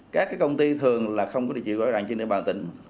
các công ty thường là không có địa chỉ gọi đoạn trên địa bàn tỉnh